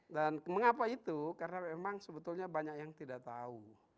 dan mengapa itu karena memang sebetulnya banyak yang tidak tahu